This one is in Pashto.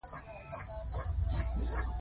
سویلي کانال په غره کې کښل شوی کانال و.